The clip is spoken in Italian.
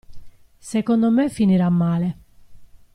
Secondo me finirà male.